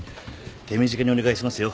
手短にお願いしますよ。